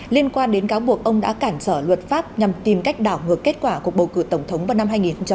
liên quan đến cáo buộc ông đã cản trở luật pháp nhằm tìm cách đảo ngược kết quả cuộc bầu cử tổng thống vào năm hai nghìn một mươi sáu